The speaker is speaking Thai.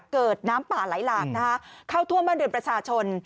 เกิดน้ำป่าไหลหลากนะคะเข้าท่วมบ้านเรือนประชาชน